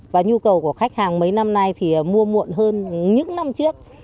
và nhu cầu của khách hàng mấy năm nay thì mua muộn hơn những năm trước